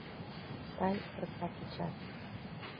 Сай ырыкта кечат!..